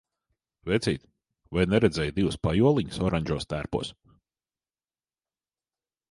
Vecīt, vai neredzēji divus pajoliņus oranžos tērpos?